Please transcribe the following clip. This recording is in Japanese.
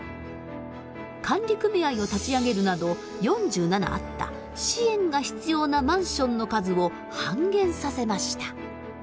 管理組合を立ち上げるなど４７あった支援が必要なマンションの数を半減させました。